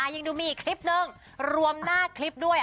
ยังดูมีอีกคลิปนึงรวมหน้าคลิปด้วย